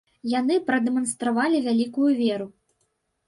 Яны прадэманстравалі вялікую веру.